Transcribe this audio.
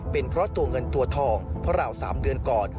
เป็นเพราะตัวเงินตัวทองเพราะราว๓เดือนก่อน